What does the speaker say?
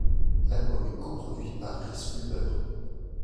L'album est co-produit par Rhys Fulber.